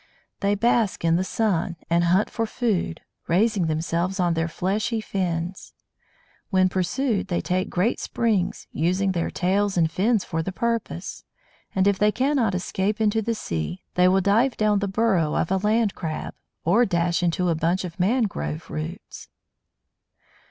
They bask in the sun, and hunt for food, raising themselves on their fleshy fins.... When pursued, they take great springs, using their tails and fins for the purpose; and if they cannot escape into the sea, they will dive down the burrow of a land crab, or dash into a bunch of mangrove roots."